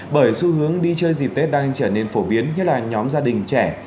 bởi xu hướng đi chơi dịp tết đang trở nên phổ biến như là nhóm gia đình trẻ